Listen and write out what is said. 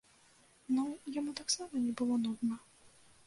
Ну, яму таксама не было нудна.